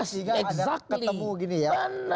sehingga ada ketemu gini ya